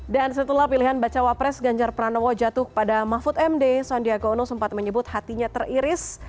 dan setelah pilihan bacawa pres ganjar pranowo jatuh pada mahfud md sandi agono sempat menyebut hatinya teriris